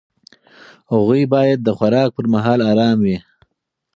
هغوی باید د خوراک پر مهال ارام وي.